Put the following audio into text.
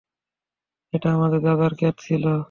এটা আমার দাদার ক্ষেত ছিল।